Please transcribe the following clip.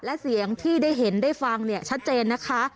และเสียงที่ได้เห็นได้ฟังเนี่ยชัดเจนนะคะ